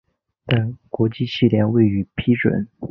但国际汽联未予批准。